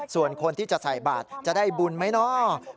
ส่วนคนที่จะใส่บาทจะได้บุญไหมเนาะ